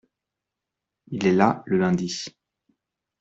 Il est là le lundi.